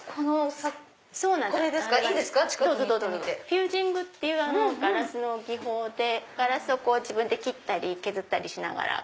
フュージングっていうガラスの技法でガラスを自分で切ったり削ったりしながら。